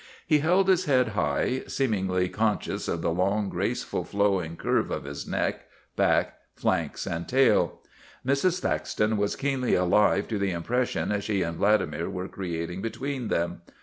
He held his head i8o THE BLOOD OF HIS FATHERS high, seemingly conscious of the long, graceful, flowing curve of his neck, back, flanks, and tail. Mrs. Thaxton was keenly alive to the impression she and Vladimir were creating between them.